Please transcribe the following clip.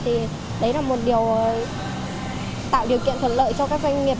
thì đấy là một điều tạo điều kiện thuận lợi cho các doanh nghiệp